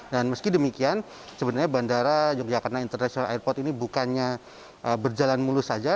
dan meski demikian sebenarnya bandara yogyakarta international airport ini bukannya berjalan mulus saja